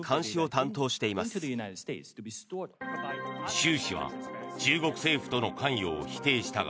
シュウ氏は中国政府との関与を否定したが